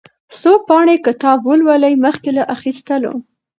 څو پاڼې کتاب ولولئ مخکې له اخيستلو.